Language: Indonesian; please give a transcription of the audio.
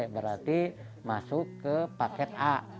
berarti masuk ke paket a